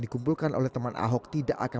dikumpulkan oleh teman ahok tidak akan